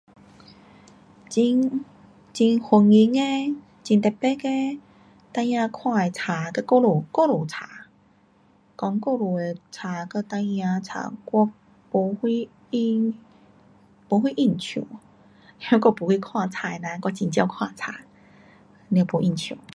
很，很欢迎的，很特别的，孩儿看的书，跟故事，故事书。讲故事的书跟孩儿的书，我没什印，没什印象。那我没什看书的人，我很少看书。了没印象。